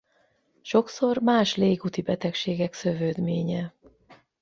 Sokszor más légúti betegségek szövődménye.